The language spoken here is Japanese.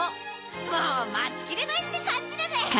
もうまちきれないってかんじだぜ！